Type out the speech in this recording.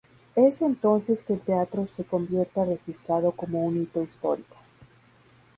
Es entonces que el teatro se convierte registrado como un hito histórico.